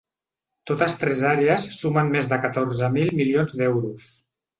Totes tres àrees sumen més de catorze mil milions d’euros.